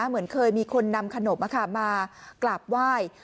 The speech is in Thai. เหมือนเคยมีคนนำขนบมาค่ะมากลับไหว้